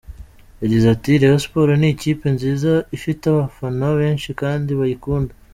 Yagize ati “Rayon Sports ni ikipe nziza ifite abafana benshi kandi bayikunda.